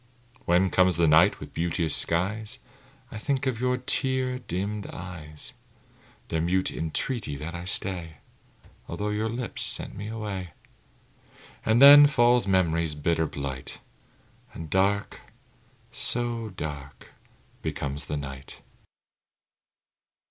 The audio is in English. When comes the night with beauteous skies, I think of your tear dimmed eyes, Their mute entreaty that I stay, Although your lips sent me away; And then falls memory's bitter blight, And dark so dark becomes the night.